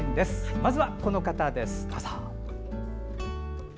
まずはこの方です。